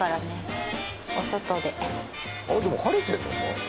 でも晴れてんのか？